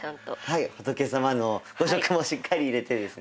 はい仏様の５色もしっかり入れてですね。